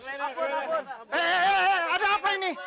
eh eh ada apa ini